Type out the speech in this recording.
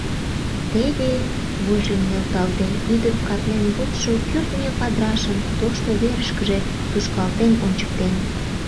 — Теве... — вуйжым нӧлталде, ӱдыр катлен вочшо кӱртньӧ падрашым тошто верышкыже тушкалтен ончыктен.